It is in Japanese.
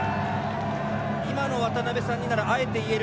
今の渡邊さんにならあえて言える。